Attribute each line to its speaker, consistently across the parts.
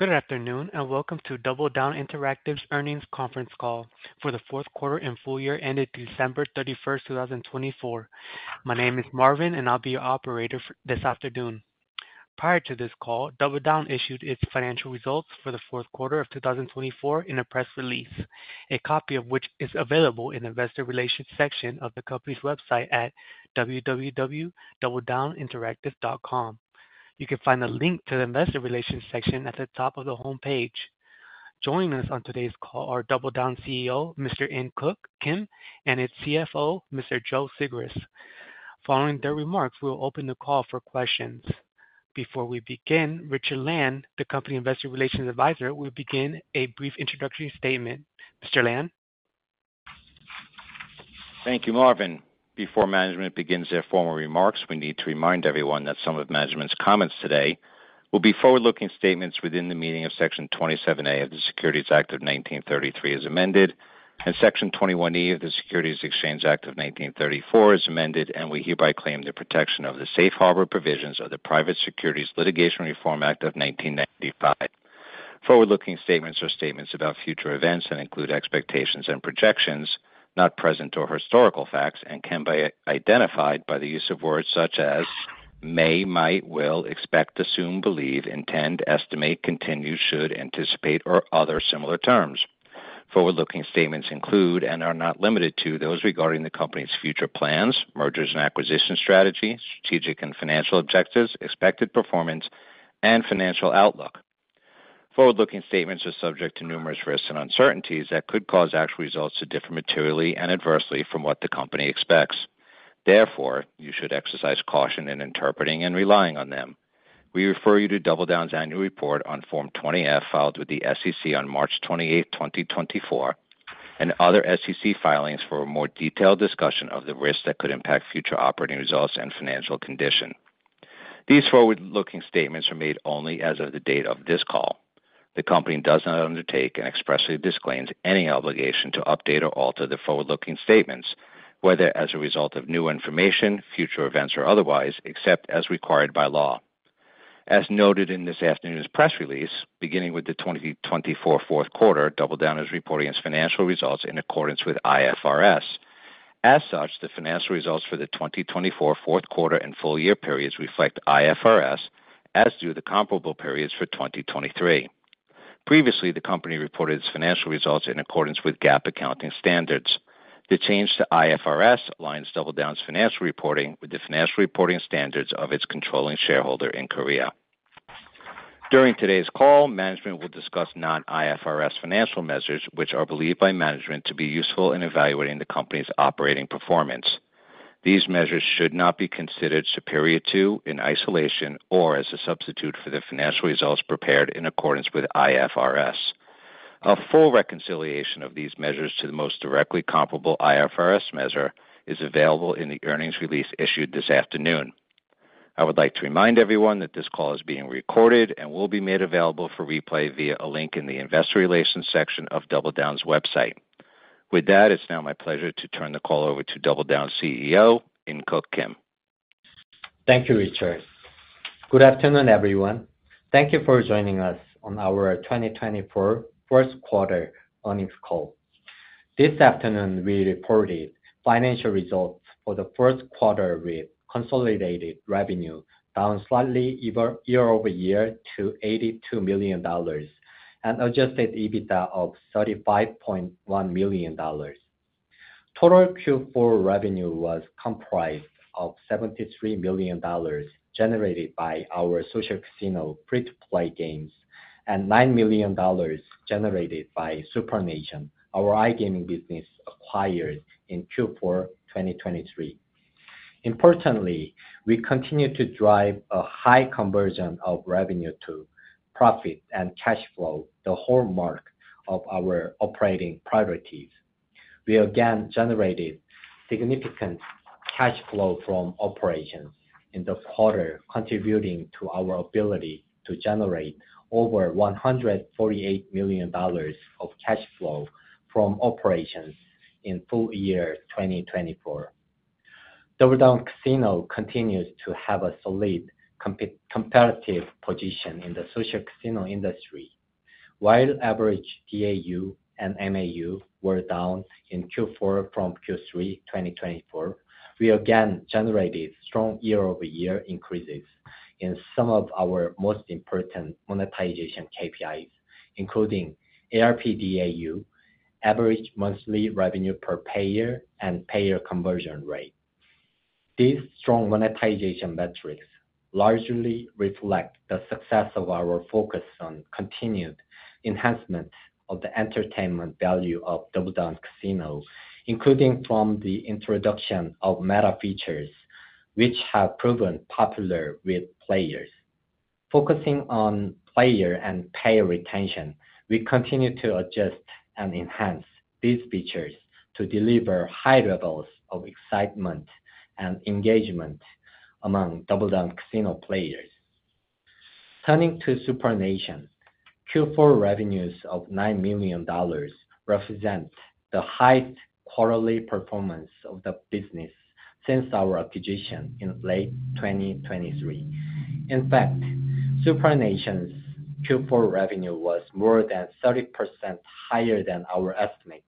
Speaker 1: Good afternoon and welcome to DoubleDown Interactive's Earnings Conference Call for the fourth quarter and full year ended December 31st, 2024. My name is Marvin, and I'll be your operator this afternoon. Prior to this call, DoubleDown issued its financial results for the fourth quarter of 2024 in a press release, a copy of which is available in the investor relations section of the company's website at www.doubledowninteractive.com. You can find the link to the investor relations section at the top of the homepage. Joining us on today's call are DoubleDown's CEO, Mr. In Keuk Kim, and its CFO, Mr. Joe Sigrist. Following their remarks, we will open the call for questions. Before we begin, Richard Land, the company Investor Relations Advisor, will begin a brief introductory statement. Mr. Land.
Speaker 2: Thank you, Marvin. Before management begins their formal remarks, we need to remind everyone that some of management's comments today will be forward-looking statements within the meaning of Section 27A of the Securities Act of 1933 as amended, and Section 21E of the Securities Exchange Act of 1934 as amended, and we hereby claim the protection of the safe harbor provisions of the Private Securities Litigation Reform Act of 1995. Forward-looking statements are statements about future events that include expectations and projections, not present or historical facts, and can be identified by the use of words such as may, might, will, expect, assume, believe, intend, estimate, continue, should, anticipate, or other similar terms. Forward-looking statements include and are not limited to those regarding the company's future plans, mergers and acquisition strategy, strategic and financial objectives, expected performance, and financial outlook. Forward-looking statements are subject to numerous risks and uncertainties that could cause actual results to differ materially and adversely from what the company expects. Therefore, you should exercise caution in interpreting and relying on them. We refer you to DoubleDown's annual report on Form 20-F filed with the SEC on March 28th, 2024, and other SEC filings for a more detailed discussion of the risks that could impact future operating results and financial condition. These forward-looking statements are made only as of the date of this call. The company does not undertake and expressly disclaims any obligation to update or alter the forward-looking statements, whether as a result of new information, future events, or otherwise, except as required by law. As noted in this afternoon's press release, beginning with the 2024 fourth quarter, DoubleDown is reporting its financial results in accordance with IFRS. As such, the financial results for the 2024 fourth quarter and full year periods reflect IFRS, as do the comparable periods for 2023. Previously, the company reported its financial results in accordance with GAAP accounting standards. The change to IFRS aligns DoubleDown's financial reporting with the financial reporting standards of its controlling shareholder in Korea. During today's call, management will discuss non-IFRS financial measures, which are believed by management to be useful in evaluating the company's operating performance. These measures should not be considered superior to, in isolation, or as a substitute for the financial results prepared in accordance with IFRS. A full reconciliation of these measures to the most directly comparable IFRS measure is available in the earnings release issued this afternoon. I would like to remind everyone that this call is being recorded and will be made available for replay via a link in the investor relations section of DoubleDown's website. With that, it's now my pleasure to turn the call over to DoubleDown CEO, In Keuk Kim.
Speaker 3: Thank you, Richard. Good afternoon, everyone. Thank you for joining us on our 2024 first quarter earnings call. This afternoon, we reported financial results for the first quarter with consolidated revenue down slightly year-over-year to $82 million and Adjusted EBITDA of $35.1 million. Total Q4 revenue was comprised of $73 million generated by our social casino, free-to-play games, and $9 million generated by SuprNation, our iGaming business acquired in Q4 2023. Importantly, we continue to drive a high conversion of revenue to profit and cash flow, the hallmark of our operating priorities. We again generated significant cash flow from operations in the quarter, contributing to our ability to generate over $148 million of cash flow from operations in full year 2024. DoubleDown Casino continues to have a solid competitive position in the social casino industry. While average DAU and MAU were down in Q4 from Q3 2024, we again generated strong year-over-year increases in some of our most important monetization KPIs, including ARPDAU, average monthly revenue per payer, and payer conversion rate. These strong monetization metrics largely reflect the success of our focus on continued enhancement of the entertainment value of DoubleDown Casino, including from the introduction of meta features, which have proven popular with players. Focusing on player and payer retention, we continue to adjust and enhance these features to deliver high levels of excitement and engagement among DoubleDown Casino players. Turning to SuprNation, Q4 revenues of $9 million represent the highest quarterly performance of the business since our acquisition in late 2023. In fact, SuprNation's Q4 revenue was more than 30% higher than our estimate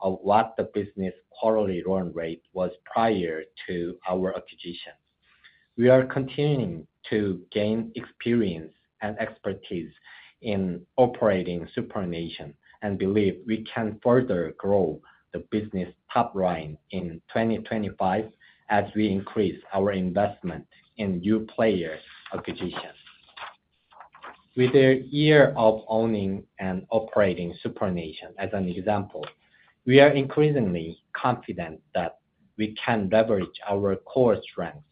Speaker 3: of what the business quarterly run rate was prior to our acquisition. We are continuing to gain experience and expertise in operating SuprNation and believe we can further grow the business top line in 2025 as we increase our investment in new players' acquisitions. With a year of owning and operating SuprNation as an example, we are increasingly confident that we can leverage our core strengths,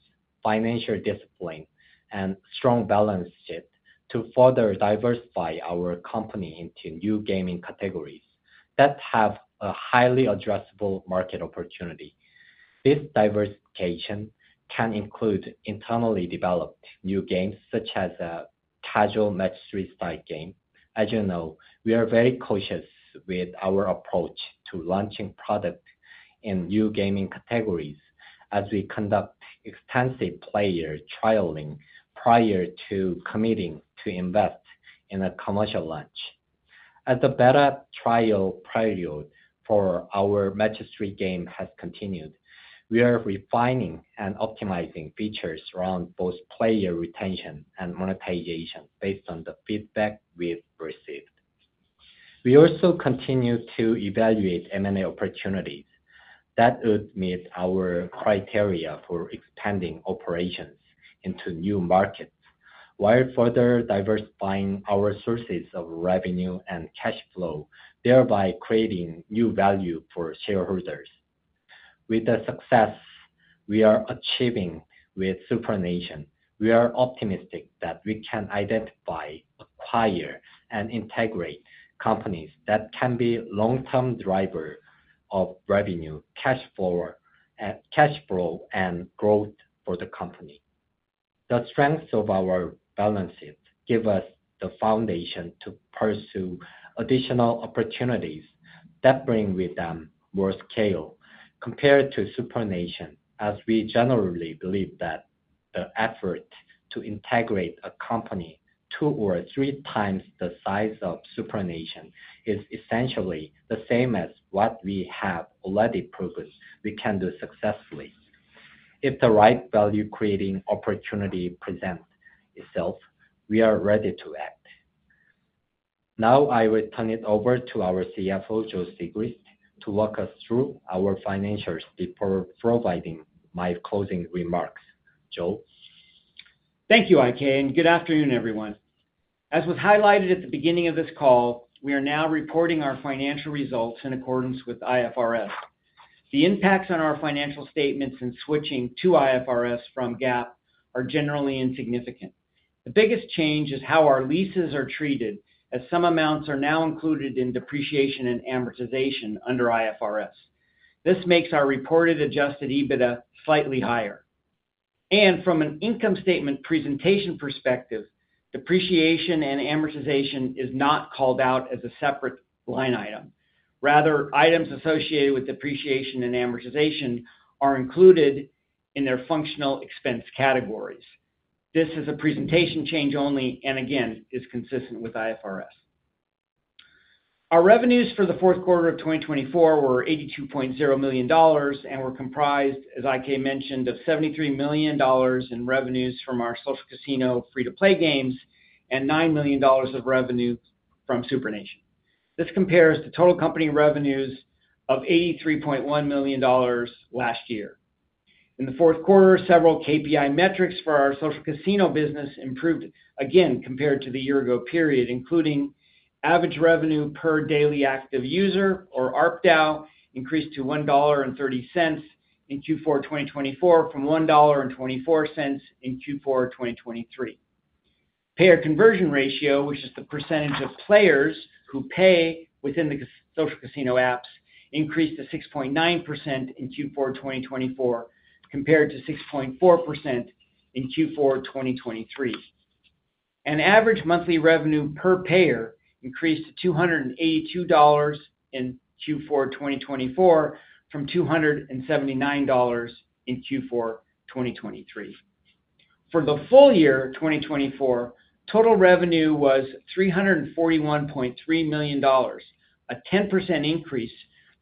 Speaker 3: financial discipline, and strong balance sheet to further diversify our company into new gaming categories that have a highly addressable market opportunity. This diversification can include internally developed new games such as a casual match-three side game. As you know, we are very cautious with our approach to launching products in new gaming categories as we conduct extensive player trialing prior to committing to invest in a commercial launch. As the beta trial period for our match-three game has continued, we are refining and optimizing features around both player retention and monetization based on the feedback we've received. We also continue to evaluate M&A opportunities that would meet our criteria for expanding operations into new markets while further diversifying our sources of revenue and cash flow, thereby creating new value for shareholders. With the success we are achieving with SuprNation, we are optimistic that we can identify, acquire, and integrate companies that can be long-term drivers of revenue, cash flow, and growth for the company. The strengths of our balance sheet give us the foundation to pursue additional opportunities that bring with them more scale compared to SuprNation, as we generally believe that the effort to integrate a company two or three times the size of SuprNation is essentially the same as what we have already proven we can do successfully. If the right value-creating opportunity presents itself, we are ready to act. Now, I will turn it over to our CFO, Joe Sigrist, to walk us through our financials before providing my closing remarks. Joe.
Speaker 4: Thank you, In Keuk, and good afternoon, everyone. As was highlighted at the beginning of this call, we are now reporting our financial results in accordance with IFRS. The impacts on our financial statements and switching to IFRS from GAAP are generally insignificant. The biggest change is how our leases are treated, as some amounts are now included in depreciation and amortization under IFRS. This makes our reported Adjusted EBITDA slightly higher, and from an income statement presentation perspective, depreciation and amortization is not called out as a separate line item. Rather, items associated with depreciation and amortization are included in their functional expense categories. This is a presentation change only and, again, is consistent with IFRS. Our revenues for the fourth quarter of 2024 were $82.0 million and were comprised, as In Keuk mentioned, of $73 million in revenues from our social casino free-to-play games and $9 million of revenue from SuprNation. This compares to total company revenues of $83.1 million last year. In the fourth quarter, several KPI metrics for our social casino business improved again compared to the year-ago period, including average revenue per daily active user, or ARPDAU, increased to $1.30 in Q4 2024 from $1.24 in Q4 2023. Payer conversion ratio, which is the percentage of players who pay within the social casino apps, increased to 6.9% in Q4 2024 compared to 6.4% in Q4 2023. Average monthly revenue per payer increased to $282 in Q4 2024 from $279 in Q4 2023. For the full year 2024, total revenue was $341.3 million, a 10% increase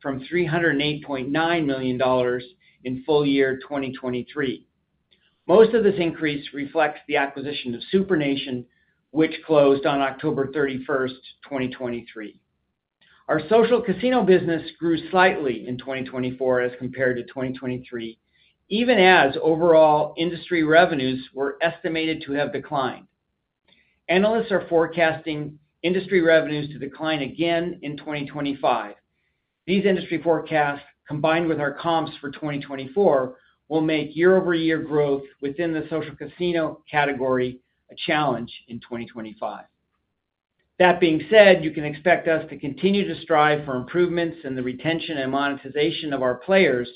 Speaker 4: from $308.9 million in full year 2023. Most of this increase reflects the acquisition of SuprNation, which closed on October 31st, 2023. Our social casino business grew slightly in 2024 as compared to 2023, even as overall industry revenues were estimated to have declined. Analysts are forecasting industry revenues to decline again in 2025. These industry forecasts, combined with our comps for 2024, will make year-over-year growth within the social casino category a challenge in 2025. That being said, you can expect us to continue to strive for improvements in the retention and monetization of our players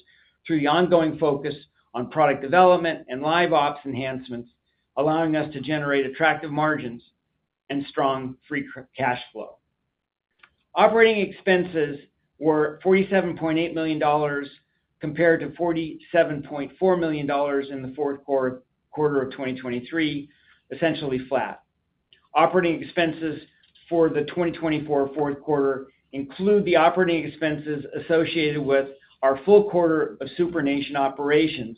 Speaker 4: through the ongoing focus on product development and live ops enhancements, allowing us to generate attractive margins and strong free cash flow. Operating expenses were $47.8 million compared to $47.4 million in the fourth quarter of 2023, essentially flat. Operating expenses for the 2024 fourth quarter include the operating expenses associated with our full quarter of SuprNation operations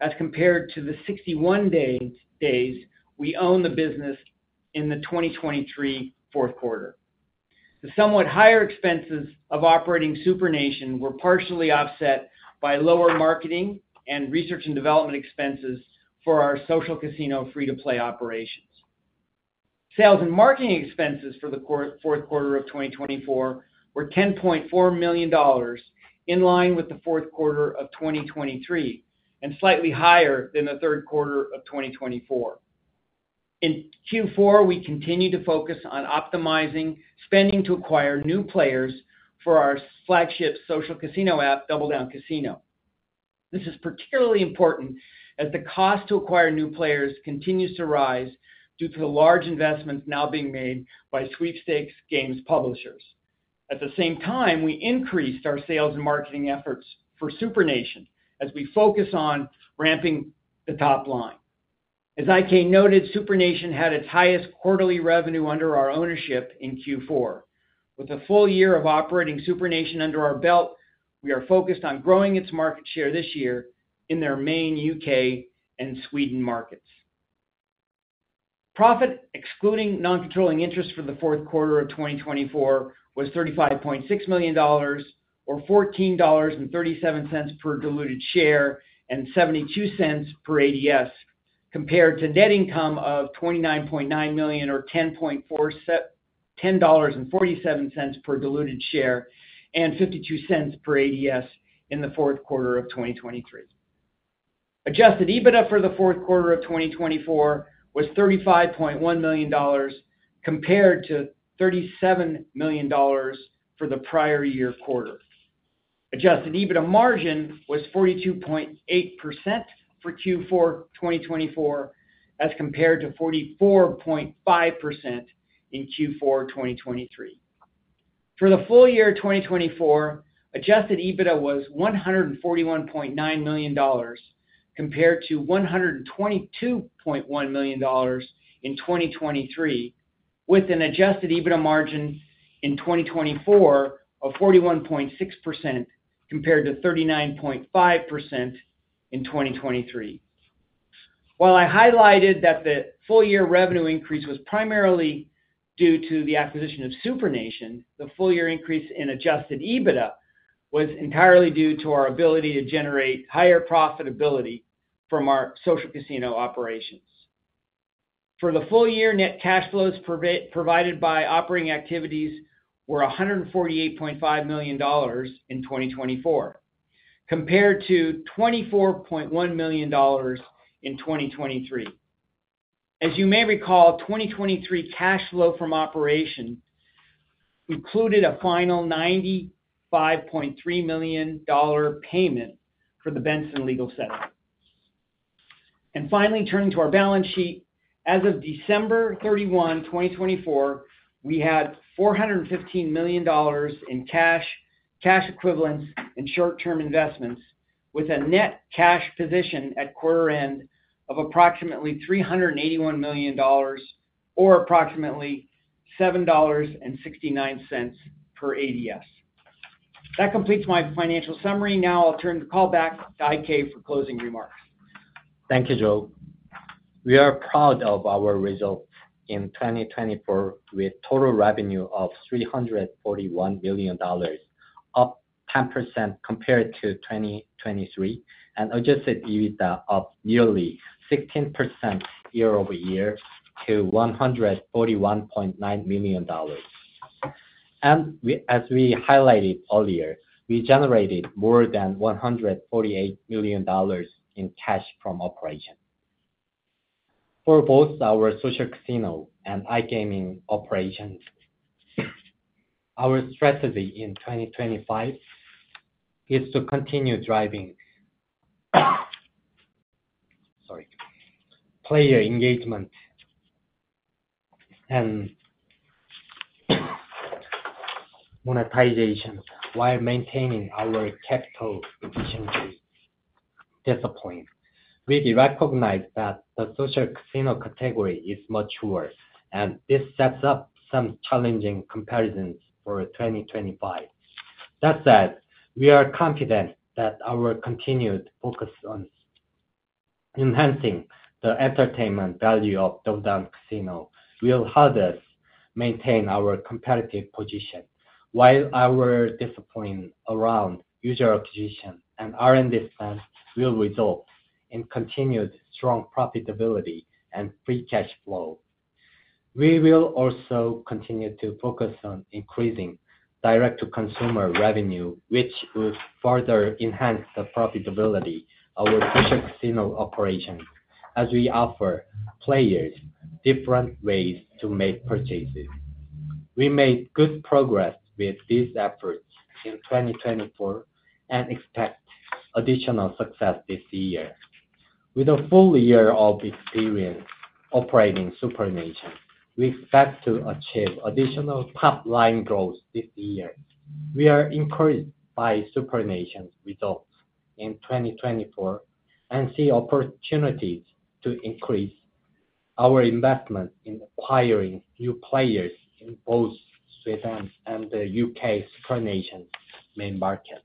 Speaker 4: as compared to the 61 days we owned the business in the 2023 fourth quarter. The somewhat higher expenses of operating SuprNation were partially offset by lower marketing and research and development expenses for our social casino free-to-play operations. Sales and marketing expenses for the fourth quarter of 2024 were $10.4 million, in line with the fourth quarter of 2023, and slightly higher than the third quarter of 2024. In Q4, we continue to focus on optimizing spending to acquire new players for our flagship social casino app, DoubleDown Casino. This is particularly important as the cost to acquire new players continues to rise due to the large investments now being made by sweepstakes games publishers. At the same time, we increased our sales and marketing efforts for SuprNation as we focus on ramping the top line. As In Keuk noted, SuprNation had its highest quarterly revenue under our ownership in Q4. With a full year of operating SuprNation under our belt, we are focused on growing its market share this year in their main U.K. and Sweden markets. Profit, excluding non-controlling interest for the fourth quarter of 2024, was $35.6 million, or $14.37 per diluted share and $0.72 per ADS, compared to net income of $29.9 million, or $10.47 per diluted share and $0.52 per ADS in the fourth quarter of 2023. Adjusted EBITDA for the fourth quarter of 2024 was $35.1 million compared to $37 million for the prior year quarter. Adjusted EBITDA margin was 42.8% for Q4 2024 as compared to 44.5% in Q4 2023. For the full year 2024, Adjusted EBITDA was $141.9 million compared to $122.1 million in 2023, with an Adjusted EBITDA margin in 2024 of 41.6% compared to 39.5% in 2023. While I highlighted that the full year revenue increase was primarily due to the acquisition of SuprNation, the full year increase in Adjusted EBITDA was entirely due to our ability to generate higher profitability from our social casino operations. For the full year, net cash flows provided by operating activities were $148.5 million in 2024, compared to $24.1 million in 2023. As you may recall, 2023 cash flow from operations included a final $95.3 million payment for the Benson legal settlement. Finally, turning to our balance sheet, as of December 31, 2024, we had $415 million in cash, cash equivalents, and short-term investments, with a net cash position at quarter end of approximately $381 million, or approximately $7.69 per ADS. That completes my financial summary. Now, I'll turn the call back to In Keuk for closing remarks.
Speaker 3: Thank you, Joe. We are proud of our results in 2024 with total revenue of $341 million, up 10% compared to 2023, and Adjusted EBITDA of nearly 16% year-over-year to $141.9 million, and as we highlighted earlier, we generated more than $148 million in cash from operations. For both our social casino and iGaming operations, our strategy in 2025 is to continue driving player engagement and monetization while maintaining our capital efficiency discipline. We recognize that the social casino category is mature, and this sets up some challenging comparisons for 2025. That said, we are confident that our continued focus on enhancing the entertainment value of DoubleDown Casino will help us maintain our competitive position, while our discipline around user acquisition and R&D spend will result in continued strong profitability and free cash flow. We will also continue to focus on increasing direct-to-consumer revenue, which will further enhance the profitability of our social casino operations as we offer players different ways to make purchases. We made good progress with these efforts in 2024 and expect additional success this year. With a full year of experience operating SuprNation, we expect to achieve additional top-line growth this year. We are encouraged by SuprNation's results in 2024 and see opportunities to increase our investment in acquiring new players in both Sweden and the UK, SuprNation's main market.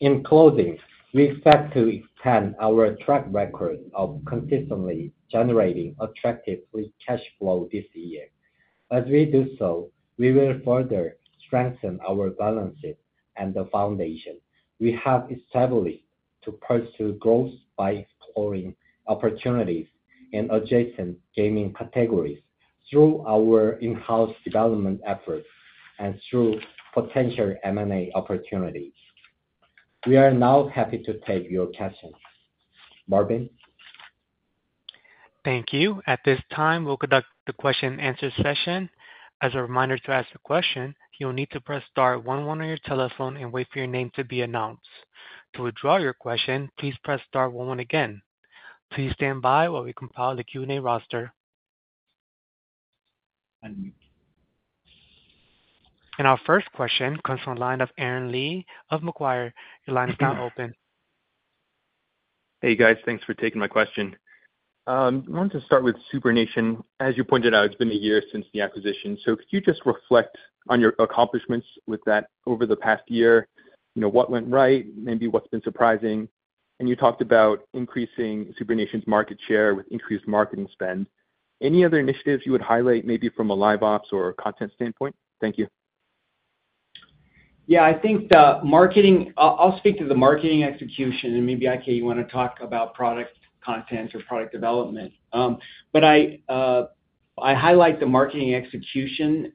Speaker 3: In closing, we expect to extend our track record of consistently generating attractive free cash flow this year. As we do so, we will further strengthen our balances and the foundation we have established to pursue growth by exploring opportunities in adjacent gaming categories through our in-house development efforts and through potential M&A opportunities. We are now happy to take your questions. Marvin.
Speaker 1: Thank you. At this time, we'll conduct the question-and-answer session. As a reminder to ask the question, you'll need to press star one one on your telephone and wait for your name to be announced. To withdraw your question, please press star one one again. Please stand by while we compile the Q&A roster. And our first question comes from the line of Aaron Lee of Macquarie. Your line is now open.
Speaker 5: Hey, guys. Thanks for taking my question. I wanted to start with SuprNation. As you pointed out, it's been a year since the acquisition, so could you just reflect on your accomplishments with that over the past year? What went right? Maybe what's been surprising, and you talked about increasing SuprNation's market share with increased marketing spend. Any other initiatives you would highlight, maybe from a live ops or content standpoint? Thank you.
Speaker 4: Yeah, I think the marketing. I'll speak to the marketing execution. And maybe, In Keuk, you want to talk about product content or product development. But I highlight the marketing execution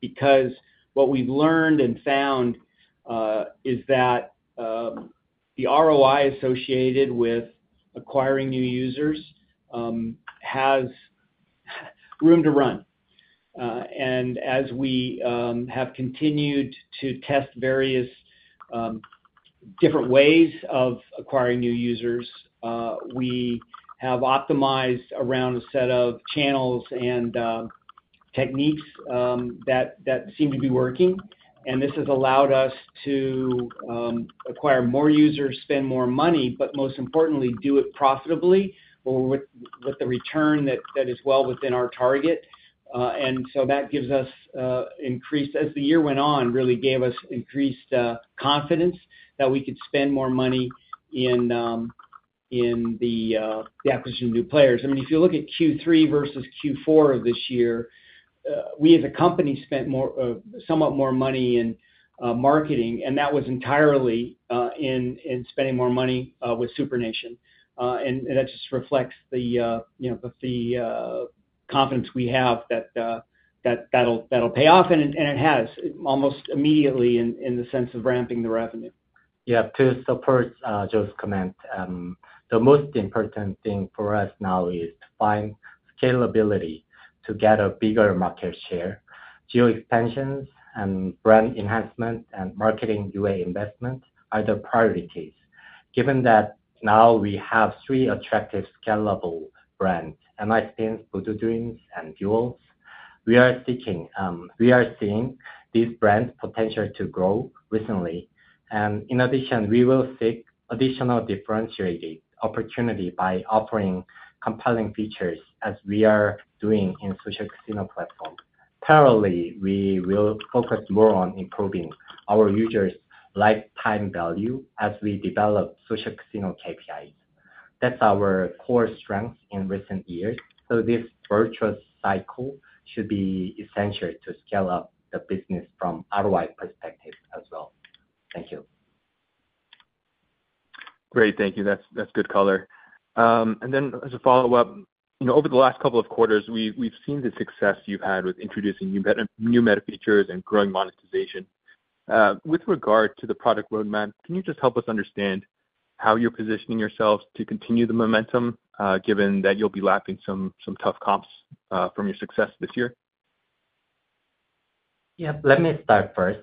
Speaker 4: because what we've learned and found is that the ROI associated with acquiring new users has room to run. And as we have continued to test various different ways of acquiring new users, we have optimized around a set of channels and techniques that seem to be working. And this has allowed us to acquire more users, spend more money, but most importantly, do it profitably with the return that is well within our target. And so that gives us increased, as the year went on, really gave us increased confidence that we could spend more money in the acquisition of new players. I mean, if you look at Q3 versus Q4 of this year, we as a company spent somewhat more money in marketing, and that was entirely in spending more money with SuprNation. And that just reflects the confidence we have that that'll pay off. And it has almost immediately in the sense of ramping the revenue.
Speaker 3: Yeah. To support Joe's comment, the most important thing for us now is to find scalability to get a bigger market share. Geo expansions and brand enhancement and marketing UA investment are the priorities. Given that now we have three attractive scalable brands, NYspins, VoodooDreams, and Duelz, we are seeking, we are seeing these brands' potential to grow recently. And in addition, we will seek additional differentiated opportunity by offering compelling features, as we are doing in social casino platforms. Parallelly, we will focus more on improving our users' lifetime value as we develop social casino KPIs. That's our core strength in recent years. So this virtuous cycle should be essential to scale up the business from ROI perspective as well. Thank you.
Speaker 5: Great. Thank you. That's good color. And then as a follow-up, over the last couple of quarters, we've seen the success you've had with introducing new meta features and growing monetization. With regard to the product roadmap, can you just help us understand how you're positioning yourselves to continue the momentum, given that you'll be lapping some tough comps from your success this year?
Speaker 3: Yeah. Let me start first.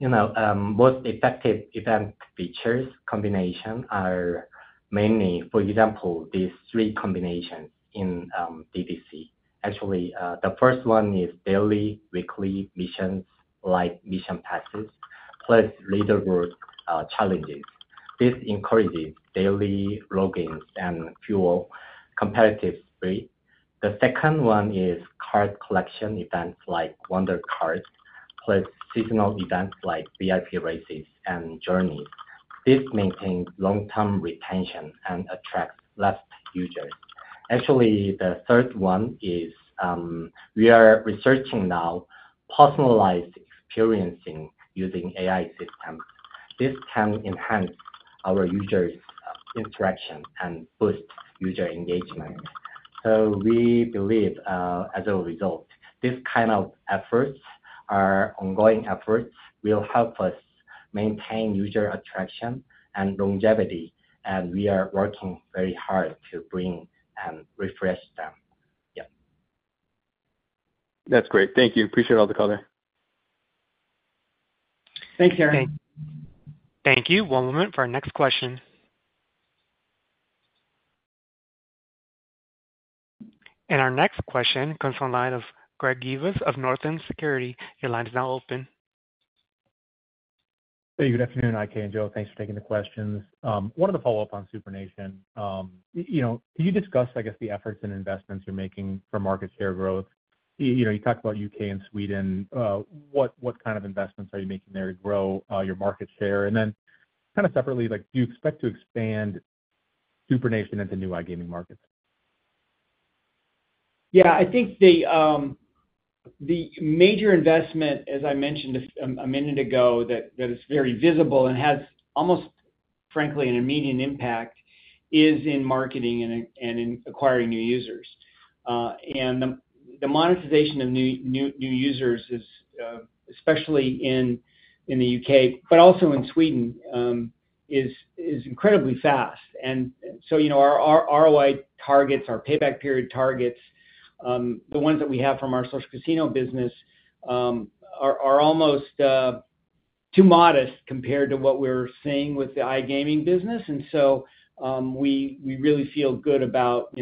Speaker 3: Most effective event features combinations are mainly, for example, these three combinations in DDC. Actually, the first one is daily, weekly missions, like mission passes, plus leaderboard challenges. This encourages daily logins and fuel competitive spirit. The second one is card collection events like Wonder Cards, plus seasonal events like VIP races and journeys. This maintains long-term retention and attracts less users. Actually, the third one is we are researching now personalized experiencing using AI systems. This can enhance our users' interaction and boost user engagement. So we believe, as a result, this kind of efforts, our ongoing efforts, will help us maintain user attraction and longevity, and we are working very hard to bring and refresh them. Yeah.
Speaker 5: That's great. Thank you. Appreciate all the color.
Speaker 4: Thanks, Aaron.
Speaker 1: Thank you. One moment for our next question. Our next question comes from the line of Greg Gibas of Northland Securities. Your line is now open.
Speaker 6: Hey, good afternoon, In Keuk and Joe. Thanks for taking the questions. One of the follow-ups on SuprNation, can you discuss, I guess, the efforts and investments you're making for market share growth? You talked about U.K. and Sweden. What kind of investments are you making there to grow your market share? And then kind of separately, do you expect to expand SuprNation into new iGaming markets?
Speaker 4: Yeah. I think the major investment, as I mentioned a minute ago, that is very visible and has almost, frankly, an immediate impact, is in marketing and in acquiring new users. And the monetization of new users, especially in the U.K., but also in Sweden, is incredibly fast. And so our ROI targets, our payback period targets, the ones that we have from our social casino business, are almost too modest compared to what we're seeing with the iGaming business. And so we really feel good about,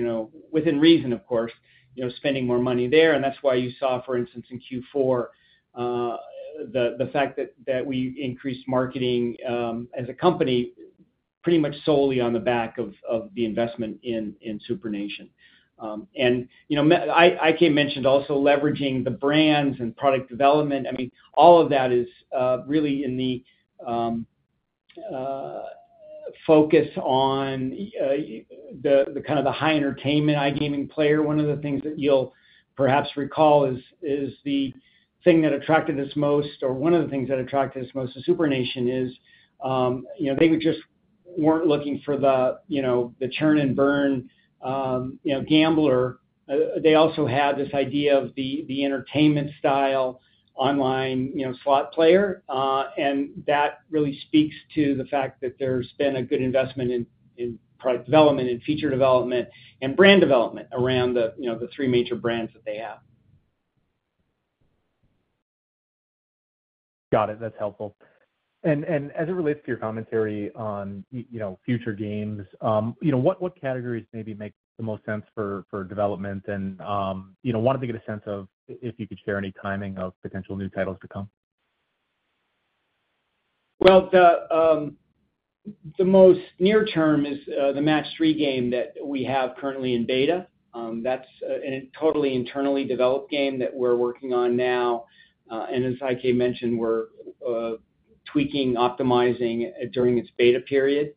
Speaker 4: within reason, of course, spending more money there. And that's why you saw, for instance, in Q4, the fact that we increased marketing as a company pretty much solely on the back of the investment in SuprNation. And In Keuk mentioned also leveraging the brands and product development. I mean, all of that is really in the focus on the kind of the high-entertainment iGaming player. One of the things that you'll perhaps recall is the thing that attracted us most, or one of the things that attracted us most to SuprNation, is they just weren't looking for the churn and burn gambler. They also had this idea of the entertainment-style online slot player, and that really speaks to the fact that there's been a good investment in product development and feature development and brand development around the three major brands that they have.
Speaker 6: Got it. That's helpful. And as it relates to your commentary on future games, what categories maybe make the most sense for development? And wanted to get a sense of if you could share any timing of potential new titles to come.
Speaker 4: The most near-term is the match 3 game that we have currently in beta. That's a totally internally developed game that we're working on now. As In Keuk mentioned, we're tweaking, optimizing during its beta period.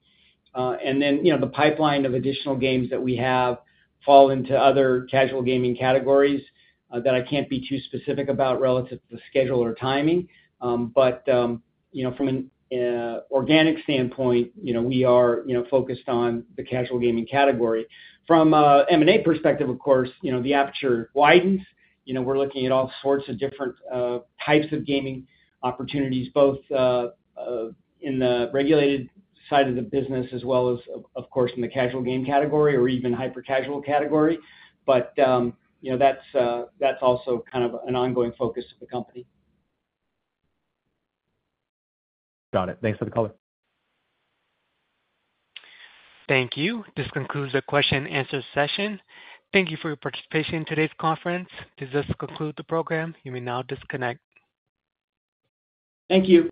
Speaker 4: Then the pipeline of additional games that we have fall into other casual gaming categories that I can't be too specific about relative to the schedule or timing. From an organic standpoint, we are focused on the casual gaming category. From an M&A perspective, of course, the aperture widens. We're looking at all sorts of different types of gaming opportunities, both in the regulated side of the business as well as, of course, in the casual game category or even hyper-casual category. That's also kind of an ongoing focus of the company.
Speaker 6: Got it. Thanks for the color.
Speaker 1: Thank you. This concludes the question-and-answer session. Thank you for your participation in today's conference. Does this conclude the program? You may now disconnect.
Speaker 4: Thank you.